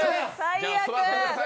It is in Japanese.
座ってください。